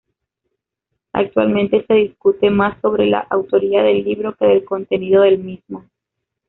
Actualmente, se discute más sobre la autoría del libro que del contenido del mismo.